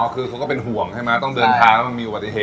อ๋อคือเขาก็เป็นห่วงใช่ไหมต้องเดินทางมันมีอุปสรรค์